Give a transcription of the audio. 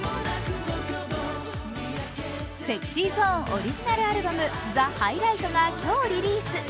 ＳｅｘｙＺｏｎｅオリジナルアルバム「ザ・ハイライト」が今日リリース。